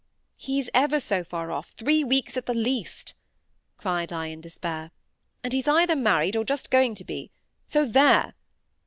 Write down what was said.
"He's ever so far off—three weeks at the least," cried I in despair. "And he's either married, or just going to be. So there."